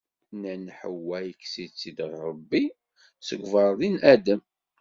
Nnan Ḥewwa yekkes-itt-id Rebbi seg uberḍi n Adem.